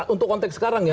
untuk konteks sekarang ya